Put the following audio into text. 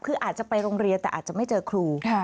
คืออาจจะไปโรงเรียนแต่อาจจะไม่เจอครู